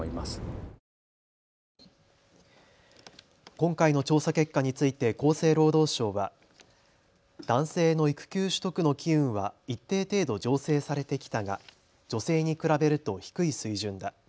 今回の調査結果について厚生労働省は男性の育休取得の機運は一定程度、醸成されてきたが女性に比べると低い水準だ。